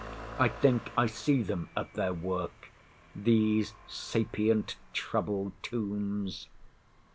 I think I see them at their work—these sapient trouble tombs.